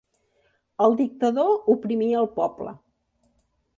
El dictador oprimia el poble.